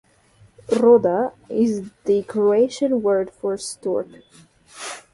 Roda is the Croatian word for stork.